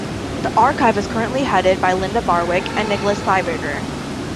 The archive is currently headed by Linda Barwick and Nicholas Thieberger.